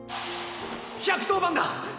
１１０番だ！